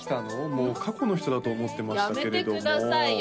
もう過去の人だと思ってましたけれどもやめてくださいよ